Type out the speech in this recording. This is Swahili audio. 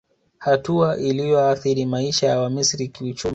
Hatua iliyoathiri maisha ya Wamisri kiuchumi